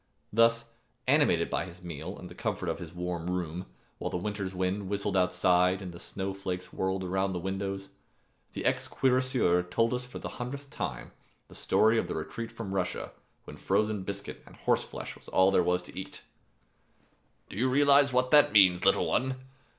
Then, animated by his meal, in the comfort of his warm room, while the winter's wind whistled outside and the snow flakes whirled around the windows, the ex cuirassier told us for the hundredth time the story of the retreat from Russia when frozen biscuit and horse flesh was all that there was to eat. "Do you realize what that means, little one?